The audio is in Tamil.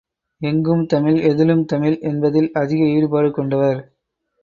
எங்கும் தமிழ், எதிலும் தமிழ் என்பதில் அதிக ஈடுபாடு கொண்டவர்.